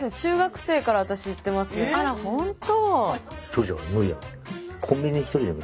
あら本当。